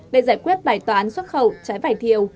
để giải quyết bài toán xuất khẩu trái vải thiều